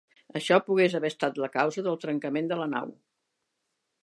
Això pugues haver estat la causa del trencament de la nau.